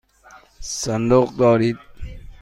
صندوق دارید؟